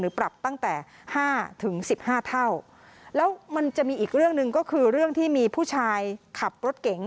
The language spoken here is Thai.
ปรับตั้งแต่ห้าถึงสิบห้าเท่าแล้วมันจะมีอีกเรื่องหนึ่งก็คือเรื่องที่มีผู้ชายขับรถเก๋ง